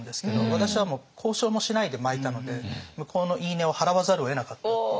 私はもう交渉もしないで巻いたので向こうの言い値を払わざるをえなかったっていう。